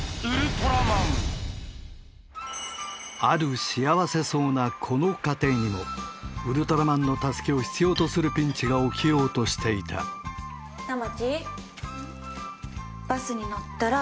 ウルトラマンある幸せそうなこの家庭にもウルトラマンの助けを必要とするピンチが起きようとしていた玉季。